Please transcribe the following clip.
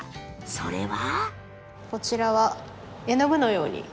それは。